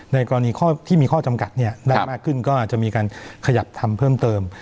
ในกรณีข้อที่มีข้อจำกัดได้มากขึ้นก็อาจจะมีการขยับทำเพิ่มเติม